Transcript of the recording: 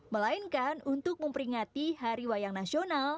melainkan untuk memperingati hari wayang nasional